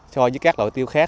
so với các loại tiêu khác